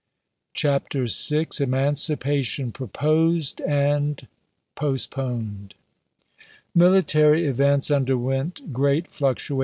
CHAPTER YI EMANCIPATION PROPOSED AND POSTPONED MILITARY events underwent great fluctua chap.